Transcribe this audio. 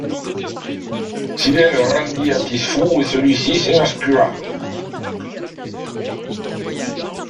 Cybèle rendit Attis fou et celui-ci s’émascula.